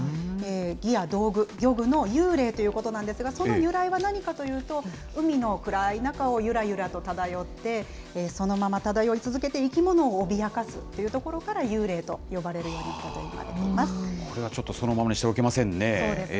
ギア・道具、漁具の幽霊ということなんですが、その由来は何かというと、海の暗い中をゆらゆらと漂って、そのまま漂い続けて生き物を脅かすというところから、幽霊と呼ばれるようになったといわれています。